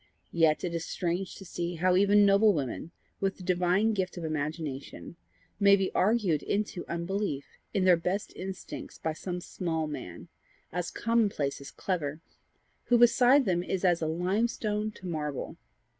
Yet it is strange to see how even noble women, with the divine gift of imagination, may be argued into unbelief in their best instincts by some small man, as common place as clever, who beside them is as limestone to marble.